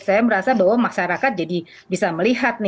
saya merasa bahwa masyarakat jadi bisa melihat nih